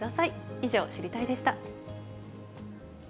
以上、知りたいッ！でした。